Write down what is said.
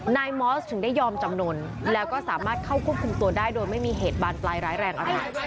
นายมอสถึงได้ยอมจำนวนแล้วก็สามารถเข้าควบคุมตัวได้โดยไม่มีเหตุบานปลายร้ายแรงอะไร